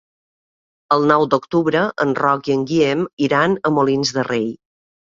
El nou d'octubre en Roc i en Guillem iran a Molins de Rei.